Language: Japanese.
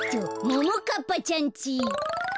ももかっぱちゃんち。